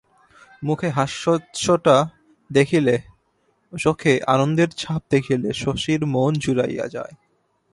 মুখে হাস্যচ্ছটা দেখিলে, চোখে আনন্দের ছাপ দেখিলে শশীর মন জুড়াইয়া যায়!